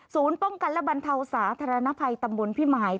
ศูนย์ป้องกันระบันเทาสระธรรณภัยตำบลพิมาย